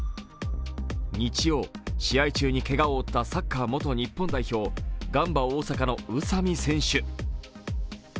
日曜、試合中にけがを負ったサッカー元日本代表、ガンバ大阪の宇佐美選手。